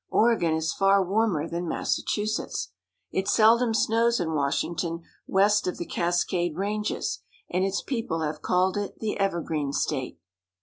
Oregon is far warmer than Massachusetts. It seldom snows in Wash ington west of the Cascade Ranges, and its people have called it the '* Evergreen State."